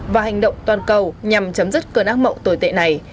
và hành động toàn cầu nhằm chấm dứt cơn ác mộng tồi tệ này